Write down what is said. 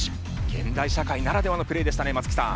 現代社会ならではのプレーでしたね松木さん。